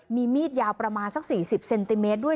มีมีดยาวประมาณสัก๔๐เซนติเมตรด้วย